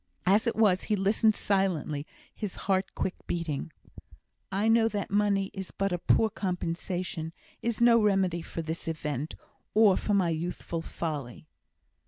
As it was, he listened silently, his heart quick beating. "I know that money is but a poor compensation, is no remedy for this event, or for my youthful folly."